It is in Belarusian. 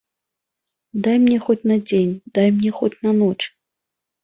Дай мне хоць на дзень, дай мне хоць на ноч.